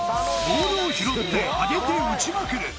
ボールを拾って上げて打ちまくる